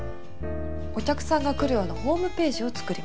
お客さんが来るようなホームページを作ります。